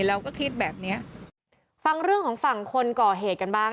เราก็คิดแบบเนี้ยฟังเรื่องของฝั่งคนก่อเหตุกันบ้าง